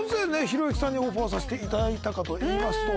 ひろゆきさんにオファーさせていただいたかといいますと。